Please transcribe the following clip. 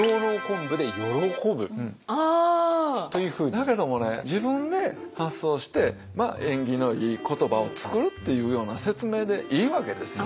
だけどもね自分で発想して縁起のいい言葉を作るっていうような説明でいいわけですよ。